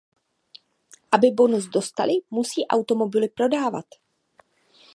Aby bonus dostali, musí automobily prodávat.